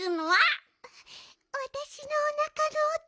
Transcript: わたしのおなかのおと。